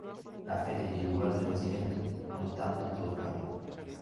La fecha y lugar de su nacimiento no están del todo claros.